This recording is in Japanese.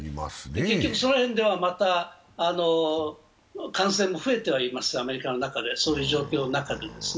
結局、その辺ではまた感染も増えてはいます、アメリカのそういう状況の中で。